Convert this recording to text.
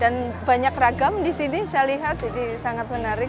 dan banyak ragam disini saya lihat jadi sangat menarik